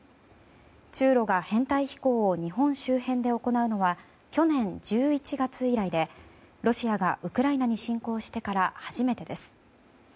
中露が編隊飛行を日本周辺で行うのは去年１１月以来でロシアがウクライナに侵攻してから初めてです。